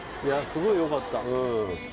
すごいよかった